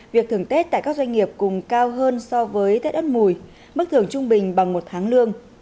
việc thưởng tết tại các doanh nghiệp cùng cao hơn so với tết ất mùi mức thưởng trung bình bằng một tháng lương